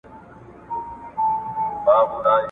معلم وویل که چیري داسي وسي !.